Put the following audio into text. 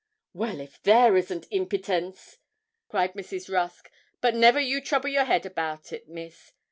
'Well, if there isn't impittens!' cried Mrs. Rusk. 'But never you trouble your head about it, Miss.